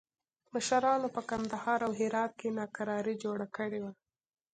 مشرانو په کندهار او هرات کې ناکراري جوړه کړې وه.